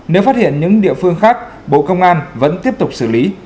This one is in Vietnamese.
nếu phát hiện những địa phương khác bộ công an vẫn tiếp tục xử lý